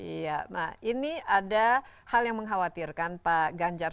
iya nah ini ada hal yang mengkhawatirkan pak ganjar